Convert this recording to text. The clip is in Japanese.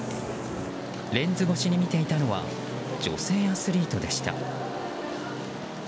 レンズ越しに見ていたのは女性アスリートでした。